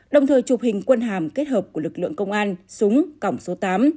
đồng thời chụp hình quân hàm kết hợp của lực lượng công an súng còng số tám